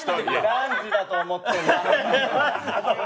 何時だと思ってんだ！